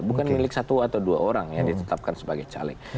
bukan milik satu atau dua orang yang ditetapkan sebagai caleg